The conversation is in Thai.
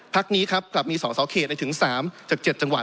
นี้ครับกลับมีสอสอเขตในถึง๓จาก๗จังหวัด